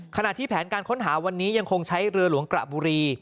ขณะที่แผนการค้นหาวันนี้ยังคงใช้เรือหลวงกระบุรี